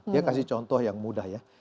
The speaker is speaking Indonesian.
dia kasih contoh yang mudah ya